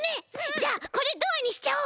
じゃあこれドアにしちゃおう！